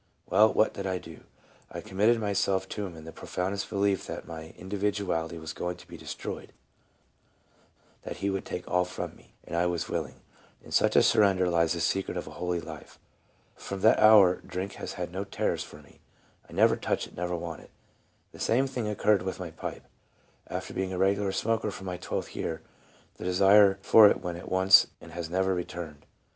Well, what did I do? / committed my self to Him in the prof oundest belief that my individuality was going to be destroyed, that He would take all from me, and 1 was willing. In such a surrender lies the secret of a holy life. From that hour drink has had no terrors for me ; I never touch it, never want it. The same thing occurred with my pipe : after being a regular smoker from my twelfth year, the desire for it went at once and has never returned.